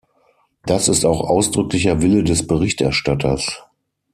Das ist auch ausdrücklicher Wille des Berichterstatters.